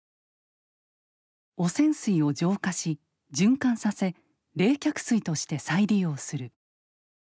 汚染水を浄化し循環させ冷却水として再利用する。